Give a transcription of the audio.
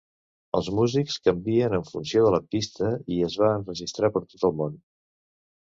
Els músics canvien en funció de la pista i es va enregistrar per tot el món.